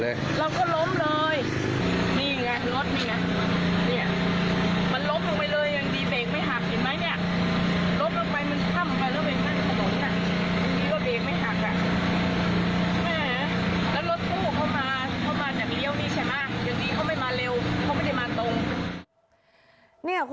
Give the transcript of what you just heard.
และรถคู่เข้ามาหนักเรียวนี้ใช่ไหมอย่างนี้เข้าไม่มาเร็วเข้าไม่ได้มาตรง